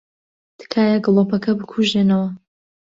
تکایە گڵۆپەکە بکوژێنەوە.